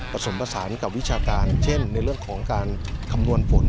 ผสมผสานกับวิชาการเช่นในเรื่องของการคำนวณฝน